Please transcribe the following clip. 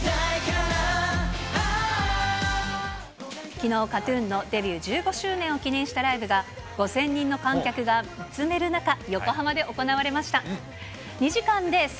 きのう、ＫＡＴーＴＵＮのデビュー１５周年を記念したライブが、５０００人の観客が見つめる中、横浜で行われました。